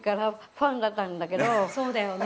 そうだよね。